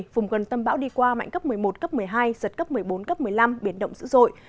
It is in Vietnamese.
vùng gần tâm bão đi qua mạnh cấp một mươi một cấp một mươi hai giật cấp một mươi bốn cấp một mươi năm biển động dữ dội